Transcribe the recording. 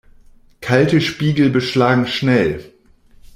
Kalte Spiegel beschlagen schnell.